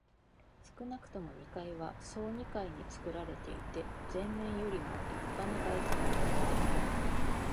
少なくとも二階は総二階につくられていて、前面よりもりっぱな外観をもっている。